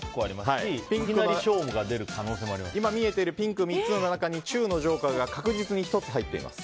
今、見えているピンク３つの中に中のジョーカーが確実に１つ入っています。